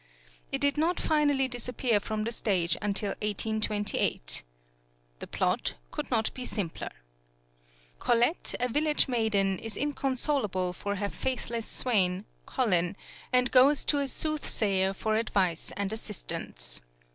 It did not finally disappear from the stage until 1828. The plot could not be simpler: Colette, a village maiden, is inconsolable for her faithless swain, Colin, and goes to a soothsayer for advice and assistance.